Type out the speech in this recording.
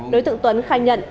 đối tượng tuấn khai nhận